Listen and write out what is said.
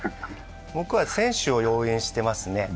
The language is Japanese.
僕は選手を応援してますね。